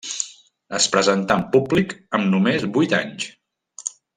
Es presentà en públic amb només vuit anys.